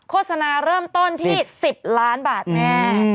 โฆษณาเริ่มต้นที่๑๐ล้านบาทแน่